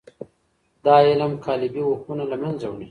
دا علم قالبي حکمونه له منځه وړي.